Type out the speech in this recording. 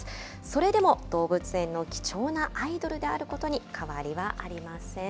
それでも動物園の貴重なアイドルであることに変わりはありません。